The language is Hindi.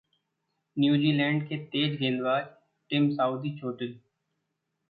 न्यूजीलैंड के तेज गेंदबाज टिम साउदी चोटिल